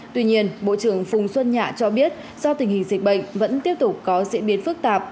tuy nhiên bộ trưởng phùng xuân nhạ cho biết do tình hình dịch bệnh vẫn tiếp tục có diễn biến phức tạp